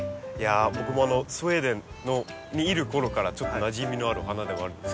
僕もスウェーデンにいるころからちょっとなじみのある花ではあるんですけどね。